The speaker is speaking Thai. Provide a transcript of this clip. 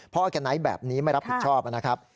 เพราะออกแกน้ทแบบนี้ไม่รับผิดชอบนะครับ